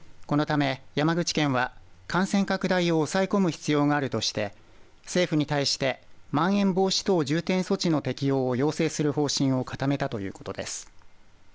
このため山口県は感染拡大を抑え込む必要があるとして政府に対してまん延防止等重点措置の適用を要請する方針を固めたということです。